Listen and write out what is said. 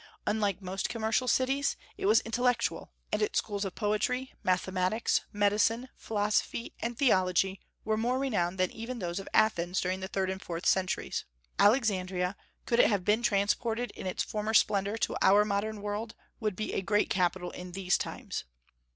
Unlike most commercial cities, it was intellectual, and its schools of poetry, mathematics, medicine, philosophy, and theology were more renowned than even those of Athens during the third and fourth centuries. Alexandria, could it have been transported in its former splendor to our modern world, would be a great capital in these times.